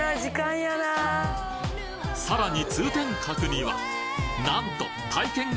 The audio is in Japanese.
さらに通天閣にはなんと体験型